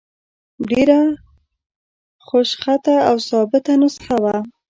ډېره خوشخطه او ثابته نسخه وه.